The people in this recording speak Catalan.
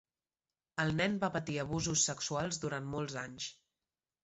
El nen va patir abusos sexuals durant molts anys.